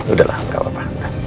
udah lah gak apa apa